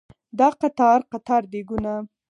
دا قطار قطار دیګونه